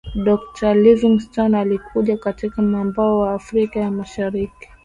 Dokta Living Stone alikuja katika mwambao wa afrika ya mashariki